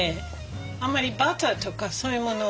あんまりバターとかそういうもの